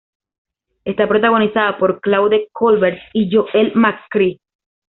Está protagonizada por Claudette Colbert y Joel McCrea.